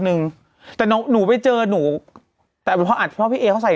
นึงแต่น้องหนูไปเจอหนูแต่อาจเพราะว่าพี่เอเขาใส่